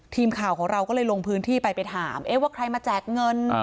ทีมข่าวของเราก็เลยลงพื้นที่ไปไปถามว่าใครมาแจกเงิน